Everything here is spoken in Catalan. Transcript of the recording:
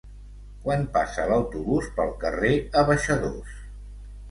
Quan passa l'autobús pel carrer Abaixadors?